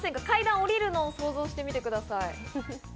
階段を下りるのを想像してみてください。